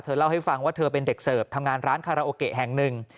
เล่าให้ฟังว่าเธอเป็นเด็กเสิร์ฟทำงานร้านคาราโอเกะแห่งหนึ่ง